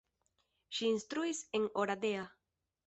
Ŝi instruis en Oradea.